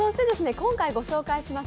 今回御紹介します